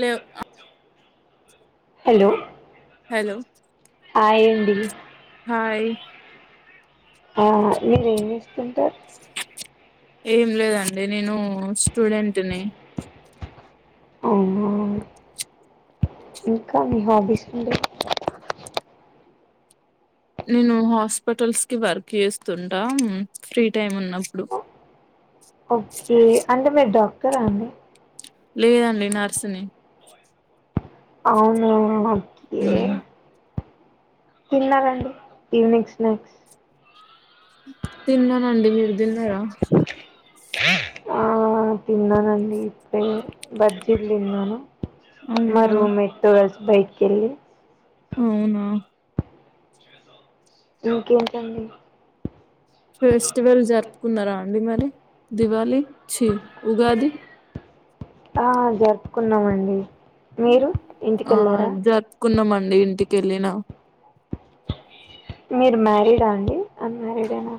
లేవ్ అ hello hello hi అండి హాయ్ ఆ మీర్ ఎం జెస్తుంటర్ ఏం లేదండి నేను స్టూడెంట్ ని అవునా ఇంకా మీ హాబీస్ ఏంటి నేను హాస్పిటల్స్ కి వర్క్ జెస్తుంటా ఉమ్ ఫ్రీ టైమ్ ఉన్నప్పుడు ఓకే అంటే మీర్ డాక్టరా అండి లేదండి నర్సుని అవునా ఓకే మ్మ్ తిన్నారండి ఈవినింగ్ స్నాక్స్ తిన్నానండి మీరు తిన్నారా ఆ తిన్నానండి ఇప్పుడే బజ్జీల్ తిన్నాను మా అవునా రూమేట్ తో కలిసి బయటికెళ్ళి అవునా ఇంకేంటండి ఫెస్టివల్ జరుపుకున్నారా అండి మరి దీవాలి చి ఉగాది ఆ జరుపుకున్నామండి. మీరు ఆ ఇంటికెళ్ళారా జర్పుకున్నమండి ఇంటిక్ కెళ్ళినా మీర్ మ్యారీడా అండి అన్మారీడేనా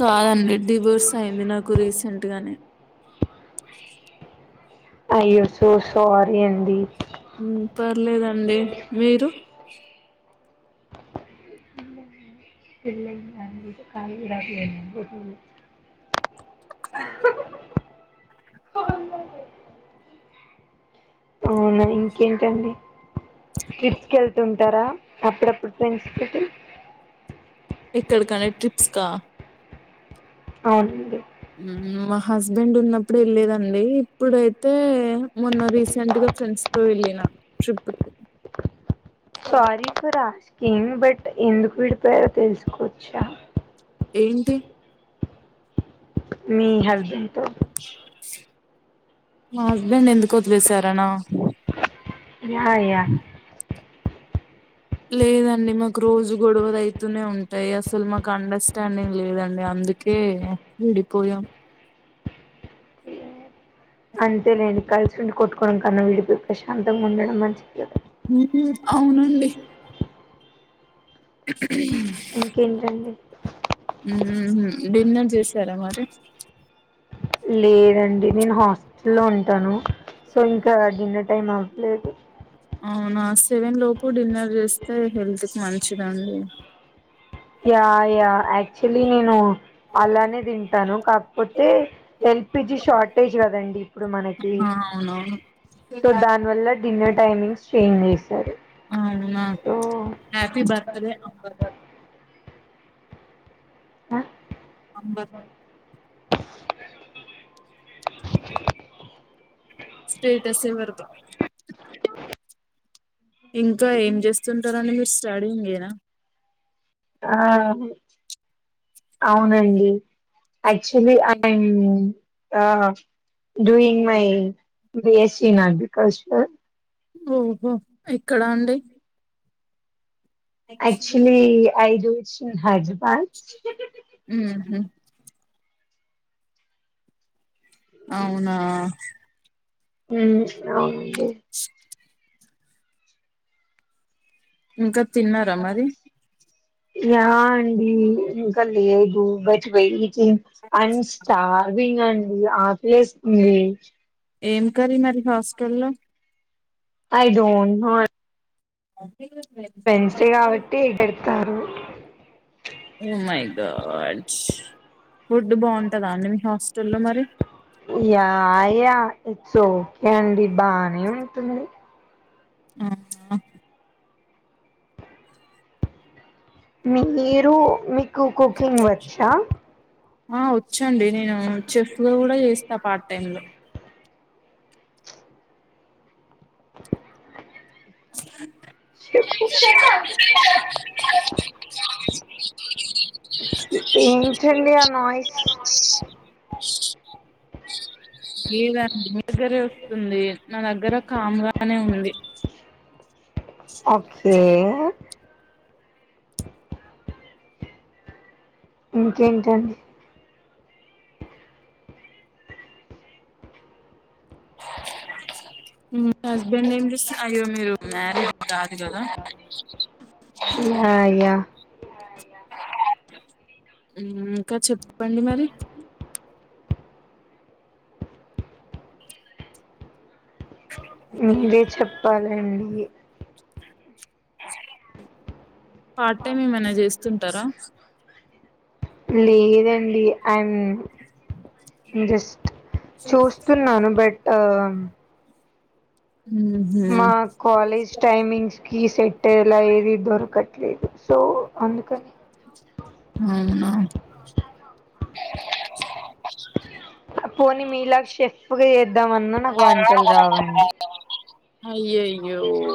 కాదండి డివోర్స్ అయింది నాకు రీసెంట్ గానే [unintelligible] అయ్యో సో సారీ అండి ఉ పర్లెదండి మీరు [unintelligible] [unintelligible] అవునా ఇంకేంటండి. ట్రిప్స్కెళ్తుంటారా అప్పుడప్పుడ్ ఫ్రెండ్స్తోటి ఎక్కడికనే ట్రిప్స్కా అవునండి. మా హస్బెండ్ ఉన్నప్పుడు ఎళ్ళేదండి ఇప్పుడైతే మొన్న రీసెంట్గ ఫ్రెండ్స్తో ఎళ్ళిన ట్రిప్కి [inaudible] సారీ ఫర్ ఆస్కింగ్ బట్ ఎందుకు విడ్పోయారో తెల్సుకోచ్చ ఏంటి? మీ హస్బండ్తో మా హస్బెండ్ ఎందుకొదిలేేశరనా? యా యా లేదండి మాకు రోజు గొడవల్ అయితునే ఉం టయ్ అసల్ మాక్ అండర్స్టాండింగ్ లేదండి అందుకే విడిపోయాం. అంతేలెండి కల్సుండి కొట్టుకోడం కన్న విడిపోయి ప్రశాంతంగ ఉండడం మంచిది గద అవునండి. [inaudible] ఇంకేంటండి? మ్ మ్ హ్ డిన్నర్ చేసార మరి లేదండి నేన్ హాస్టల్లో ఉంటాను సో ఇంక డిన్నర్ టైమ్ అవ్లేదు. అవునా సెవెన్ లోపు డిన్నర్ చేస్తే హెల్త్కి మంచిదండి. యా యా అక్చుల్లి నేను అలానే తింటాను కాక్పోతే ఎల్. పి. జి షార్టేజ్ గదండి ఇప్పుడు మనకీ అవునా సో దాన్ వల్ల డిన్నర్ టైమింగ్స్ చేంజ్ చేసారు. అవున హ్యాపి బర్త్డే అంబర్ ఆ అంబర్ స్టేటస్ ఏ పెడ్త. ఇంకా ఏం చేస్తుంటారండి మీర్ స్టడింగేన ఆ ఔనండి actually I am uh doing my BSc in agriculture ఓహో ఎక్కడా అండి? అక్చులి ఐ జోష్ ఇన్ హైద్ర మ్ హ్ అవునా మ్ నవున్ [inaudible] ఇంక తిన్నరా మరి యా అండి ఇంక లేదు బట్ వెయి అండ్ స్టార్వింగ్ అండి ఆకలెస్తుంది ఏం కర్రి మరి హాస్టల్లో ఐ డోంట్ నో వెన్స్డే కావట్టి ఎ పెడ్తారు ఓ మై గాడ్స్ ఫుడ్ బాగుంటందా అండి మీ హాస్టల్లో మరి యా యా ఇట్స్ ఒకే అండి బానే ఉంటుంది. అవునా మీరు మి ఆ వచ్చండి నేను చెఫ్ లో కూడా చేస్తా పాట టైం లో చెప్పు ఏంటి అండి ఆ నాయిస్ లేదండి మీ దగ్గరే వస్తుంది నా దగ్గర కామ్గానే ఉంది ఓకే ఇంకేంటండి మీ హస్బెండ్ ఏం చూస అయ్యో మీరు మ్యారీడ్ కాదు కదా ఎహ్ ఎహ్ ఇంకా చెప్పండి మరి మీరే చెప్పాలి అండి పార్ట్ టైం ఏమన్నా చేస్తుంటారా లేదు అండి ఇఅం జస్ట్ చూస్తున్నాను బట్ మా కాలేజ్ టైమింగ్స్ కి సెట్ అయ్యేలా ఏది దొరకట్లేదు సో అందుకనే మ్మ్ పోని మీలాగా షెఫ్ గా అయ్యో అయ్యో ఓ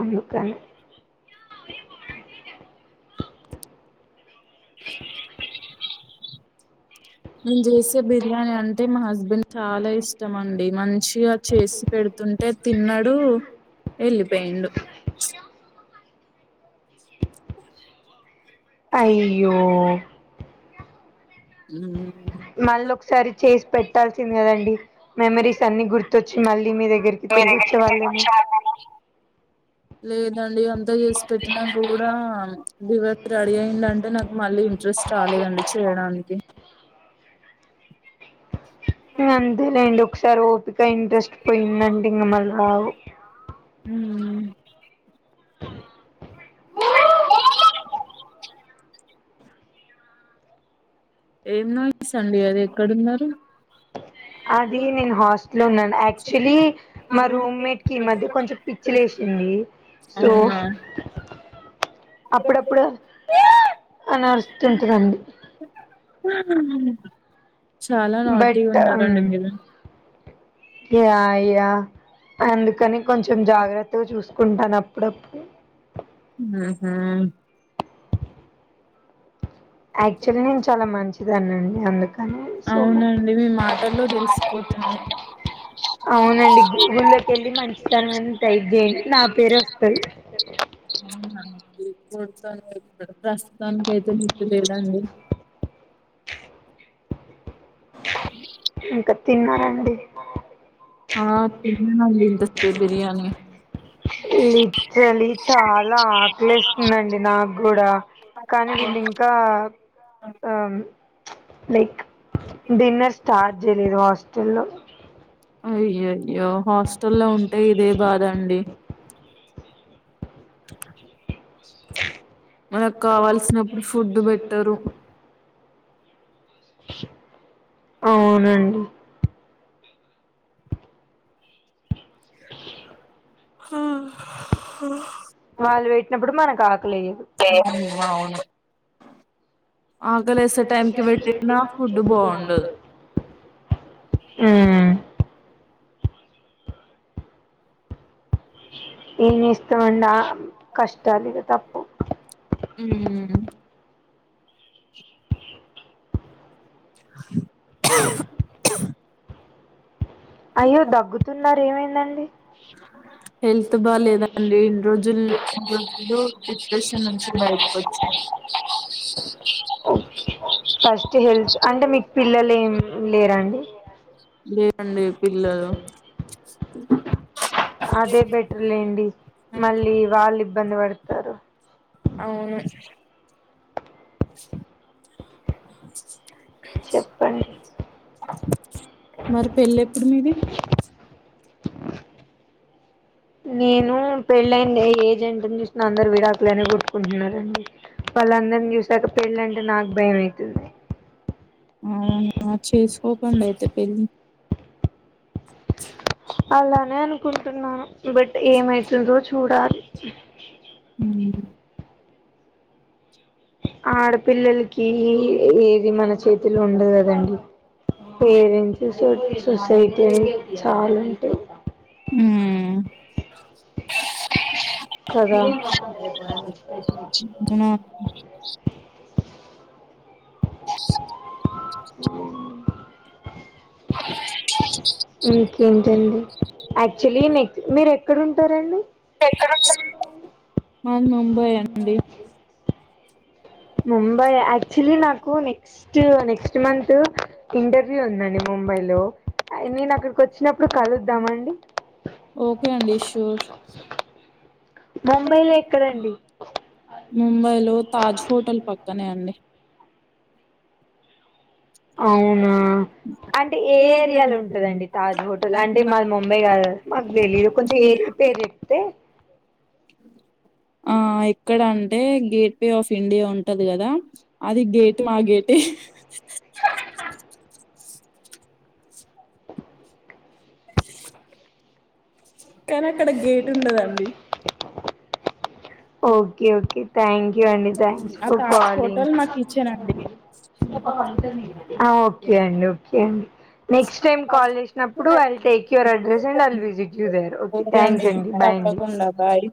అందుకనే నేను చేసే బిర్యానీ అంటే మా హస్బెండ్ చాలా ఇష్టం అండి మంచిగా చేసి పెడు తుంటే తిన్నాడు వెళ్ళిపోయిండు అయ్యో మ్మ్ మళ్ళీ ఒకసారి చేసి పెట్టాల్సింది కదా అండి మెమరీస్ అన్ని గుర్తొచ్చి మళ్ళీ మీ దగ్గరికి మీ తిరిగి వచ్చే దగ్గర వాళ్ళేమో షాప్ లేదు అండి అంతా చేసి పెట్టిన కూడా దువ్వక్ రెడీ అయ్యిండు అంటే నాకు మళ్ళీ ఇంట్రెస్ట్ రాలేదు అండి చేయడాని అంతేలేడి ఒకసారి ఓపిక ఇంట్రెస్ట్ పోయిందంటే ఇంగ మళ్ళీ రావు ఉమ్ ఏం నాయిస్ అండి ఎక్కడున్నారు అది నేను హాస్టల్ లో ఉన్నాను యాక్చువల్లీ మా రూమ్మేట్ కి ఈ మధ్య కొంచెం పిచ్చి లే లేసింది సో అవునా అప్పుడప్పుడు [inaudible] ఆని అరుస్తుంటది అండి మ్మ్ చాలా నాటి బట్ ఉన్నారండి మీరు యా యా అందుకనే కొచం జాగ్రత్తగా చూసుకుంటాను డప్పు ఉహు యాక్చువలి నేను చాలా మంచిదాన్నండి అందుక్ అవునా అండి మీ మాటల్లో తెలిసిపోతుంది అవునండి గూగుళ్ళో కేళ్ళి మంచితనం అని టైప్ జేయండి నా పేరే ఒస్తది అవునా [unintelligible] ప్రస్తుతానికైతే జుట్టు లేద్ అండి ఇంకా తిన్నరా అండి ఆ తిన్నం అండి ఇంతసేపె బిరియానీ లీట్రల్లి చాలా ఆకలేస్తుందండి నాగూడా కానీ వీళ్ళీంకా అమ్ లైక్ డిన్నర్ స్టార్ట్ జేయలేదు హాస్టల్ లో అయ్యయ్యో హాస్టల్లో ఉంటే ఇదే బాధండి మనక్ కావాల్సినప్పుడు ఫుడ్డు బెట్టరు ఆవునండి హాహ వాళ్ళు వెట్టినప్పుడు మనకు ఆకలేయదు అవును ఆకలేసే టైం కి వెట్టినా ఫుడ్డు బావుండదు మ్ ఎన్ చేస్తమండి ఆ కష్టాలు ఇగ తప్పవ్ ఉమ్ మ్ అయ్యో దగ్గుతున్నరు ఏమైందండి హెల్త్ బాలేదండి ఈని రోజులు అసలు డిప్రెషన్ నుంచి బయటి కొచ్చు ఒ ఫస్ట్ హెల్త్ అంటే మీకు పిల్లలు ఏం లేరా అండి లెర్ పిల్లలు అదే బెటర్లేండి మళ్ళీ వాళ్ళు ఇబ్బంది వడతరు అవును చెప్పండి మరి పెళ్ళేప్పుడు మీది నేను పెళ్ళైన్న ఏ జెంటని చూసిన అందరు విడాకులనే కొట్టుకుంటున్నరండి వాళ్ళందరిని చూసాక పెళ్ళంటే నాకు భయం అయితది అవునా చేసుకోకండి అయితె పెళ్ళి అలానే అనుకుంటున్నాను బట్ ఏమైతుందో చూడాలి మ్మ్ ఆడపిల్లలకి ఏది మన చేతు లుండదు గదండి పేరెంట్స్ సొ సొసైటీ అని చాలుంటయ్ మ్ కదా నా యాక్చువల్లి నెక్ మీరు ఎక్కడుంటారండి ఎక్కడుంటారండి హ ముంబాయిఅండి ముంబై యాక్చువల్లి నాకు నెక్స్ట్ నెక్స్ట్ మంతు ఇంటర్వ్యూ ఉందండి ముంబైలో నేనక్కడికి వచ్చినప్పుడు కలుద్దామా అండి ఓకే అండి షోర్ ముంబైలో ఎక్కడండి ముంబై లో తాజ్ హోటల్ పక్కనే అండి అవునా అంటే ఏ ఏరియాలుంటదండి తాజ్ హోటల్ అంటే మాది ముంబై కాదు కదా మాకు తెలీదు కొంచెం ఏరియా పేర్ చెప్తే ఆ ఇక్కడ అంటే గేట్ వే ఆఫ్ ఇండియా ఉంటది కదా అది గేట్ మా గేటే కానక్కడ గేట్ ఉండదండి ఓకే ఓకే థ్యాంక్యూ అండి థ్యాంక్స్ ఆ ఫర్ తాజ్ కాలింగ్ హోటల్ మా కిచెన్ అండి ఆ ఓకే అండి ఓకే అండి నెక్స్ట్ టైమ్ కాల్ చేసినప్పుడు I'll take your address and I'll visit you there okay thanks అండి బాయ్ అండి తప్పకుండ బాయ్